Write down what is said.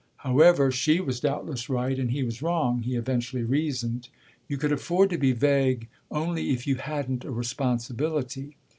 However, she was doubtless right and he was wrong, he eventually reasoned: you could afford to be vague only if you hadn't a responsibility.